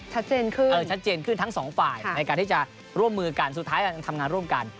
ชัดเจนขึ้นเออชัดเจนขึ้นทั้งสองฝ่ายในการที่จะร่วมมือกันสุดท้ายทำงานร่วมกัน